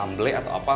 amble atau apa